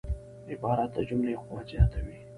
عبارت د جملې قوت زیاتوي.